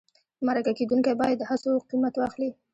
مرکه کېدونکی باید د هڅو قیمت واخلي.